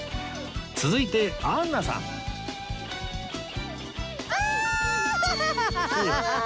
続いてアンナさんあーっ！